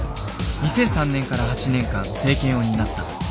２００３年から８年間政権を担った。